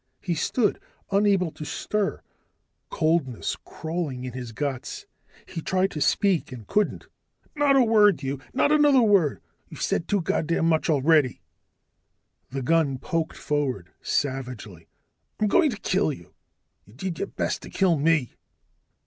He stood unable to stir, coldness crawling in his guts. He tried to speak, and couldn't. "Not a word, you . Not another word. You've said too goddam much already." The gun poked forward, savagely. "I'm going to kill you. You did your best to kill me."